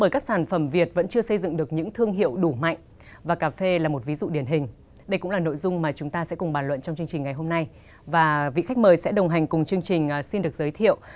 các bạn hãy đăng ký kênh để ủng hộ kênh của chúng mình nhé